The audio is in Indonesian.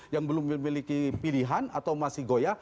yang belum memiliki pilihan atau masih goya